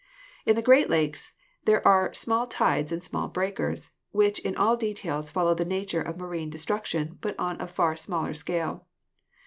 In the Great Lakes there are small tides and small breakers, which in all details follow the nature of marine destruc tion, but on a far smaller scale.